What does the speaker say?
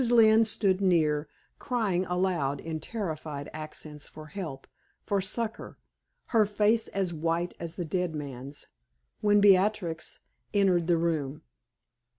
Lynne stood near, crying aloud in terrified accents for help, for succor, her face as white as the dead man's, when Beatrix entered the room.